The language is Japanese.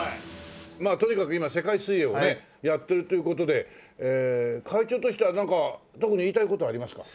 まあとにかく今世界水泳をねやってるという事でええ会長としてはなんか特に言いたい事はありますか？